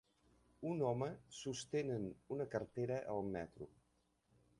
Un home sostenen una cartera al metro.